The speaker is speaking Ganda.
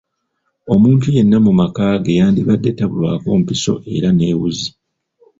Omuntu yenna mu maka ge yandibadde tabulwako mpiso era ne wuzi.